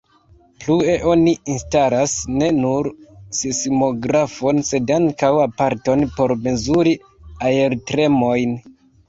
Plue oni instalas ne nur sismografon sed ankaŭ aparaton por mezuri aertremojn.